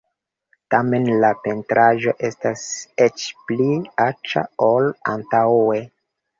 Tamen la pentraĵo estas eĉ pli aĉa ol antaŭe.